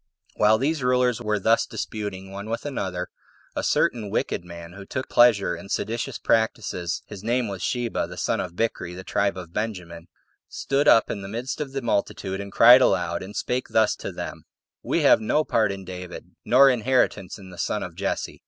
6. While these rulers were thus disputing one with another, a certain wicked man, who took a pleasure in seditious practices, [his name was Sheba, the son of Bichri, of the tribe of Benjamin,] stood up in the midst of the multitude, and cried aloud, and spake thus to them: "We have no part in David, nor inheritance in the son of Jesse."